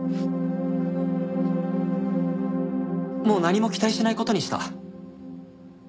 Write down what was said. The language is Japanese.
もう何も期待しない事にした。